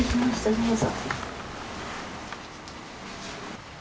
どうぞ。